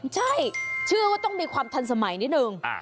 ใช่เชื่อว่าต้องมีความทันสมัยนิดนึง